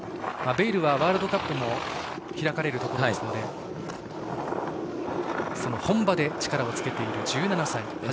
ベイルはワールドカップも開かれるところですのでその本場で力をつけている１７歳。